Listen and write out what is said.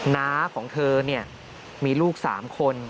น้าของเธอมีลูก๓คน